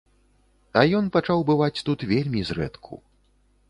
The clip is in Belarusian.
А ён пачаў бываць тут вельмі зрэдку.